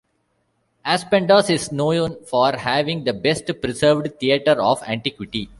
Aspendos is known for having the best-preserved theatre of antiquity.